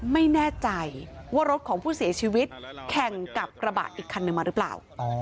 ไม่แน่ใจว่ารถของผู้เสียชีวิตแข่งกับกระบะอีกคันหนึ่งมาหรือเปล่า